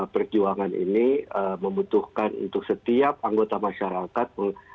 perjuangan ini membutuhkan untuk setiap anggota masyarakat